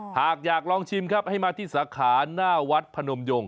หากอยากลองชิมครับให้มาที่สาขาหน้าวัดพนมยง